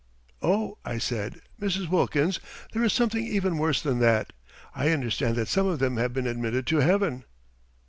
"Oh!" I said, "Mrs. Wilkins, there is something even worse than that. I understand that some of them have been admitted to heaven!"